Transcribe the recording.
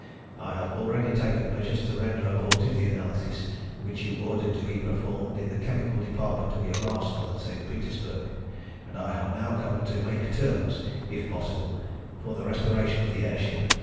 I have already taken measures to render abortive the analysis which you ordered to be performed in the chemical department of your Arsenal at St. Petersburg, and I have now come to make terms, if possible, for the restoration of the air ship.